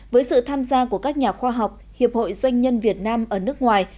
với sự tham gia của các nhà khoa học hiệp hội doanh nhân việt nam ở nước ngoài